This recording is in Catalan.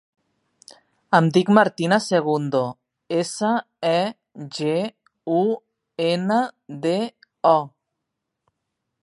Em dic Martina Segundo: essa, e, ge, u, ena, de, o.